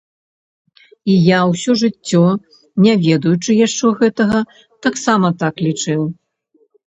І я ўсё жыццё, не ведаючы яшчэ гэтага, таксама так лічыў.